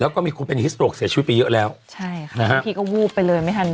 แล้วก็มีคนเป็นฮิสโตรกเสียชีวิตไปเยอะแล้วใช่ค่ะบางทีก็วูบไปเลยไม่ทัน